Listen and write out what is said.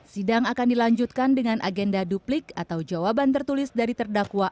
sidang akan dilanjutkan dengan agenda duplik atau jawaban tertulis dari terdakwa